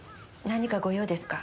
何かご用ですか？